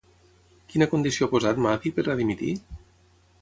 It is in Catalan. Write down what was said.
Quina condició ha posat Mahdi per a dimitir?